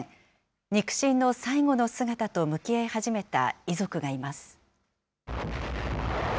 肉親の最後の姿と向き合い始めた遺族がいます。